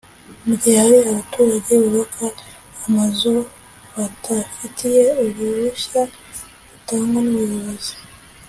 Mu gihe hari abaturage bubaka amazu batafitiye uruhushya rutangwa n’ubuyobozi